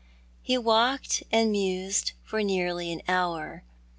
Ho walked and mused for nearly an hour.